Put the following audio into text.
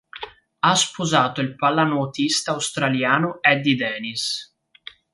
Ha sposato il pallanuotista australiano Eddie Denis.